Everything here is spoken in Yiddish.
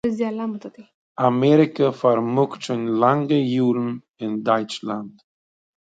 אמעריקא פארמאגט שוין לאנגע יארן אין דייטשלאנד